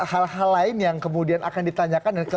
hal hal lain yang kemudian akan ditanyakan